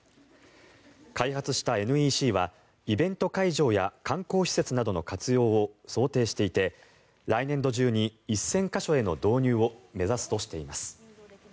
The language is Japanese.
開発したＮＥＣはイベント会場や観光施設での活用を想定していて来年度中に１０００か所への導入を目指すとしています。